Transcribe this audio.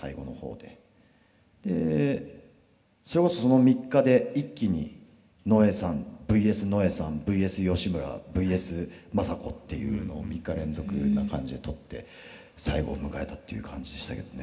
でそれこそその３日で一気にのえさんＶＳのえさんＶＳ義村ＶＳ政子っていうのを３日連続というような感じで撮って最後を迎えたっていう感じでしたけどね。